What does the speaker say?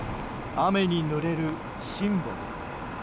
雨に濡れるシンボル。